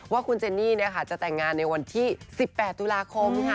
ว่าคุณเจนนี่จะแต่งงานในวันที่๑๘ตุลาคมค่ะ